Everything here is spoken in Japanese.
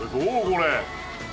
これ。